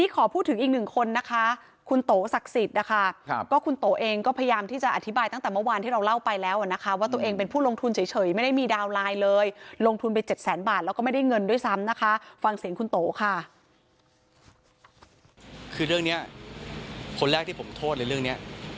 คือเรื่องนี้คนแรกที่ผมโทษในเรื่องนี้